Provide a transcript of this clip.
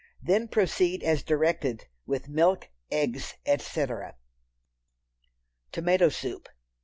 Then proceed as directed, with milk, eggs, etc. Tomato Soup.